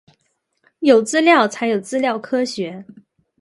有资料才有资料科学